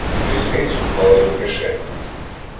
Різницю клали до кишені